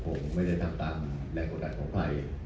พงศ์ไม่ได้ตามแรงกวดดันของใคร